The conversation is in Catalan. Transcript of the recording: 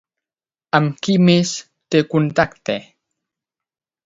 Amb qui més té contacte?